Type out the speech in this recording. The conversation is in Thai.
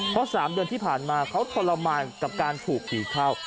เพราะ๓เดือนที่ผ่านมาเขาทรมานกับการถูกผีเข้า